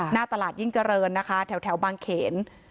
หน้าตลาดยิ่งเจริญนะคะแถวบางเขน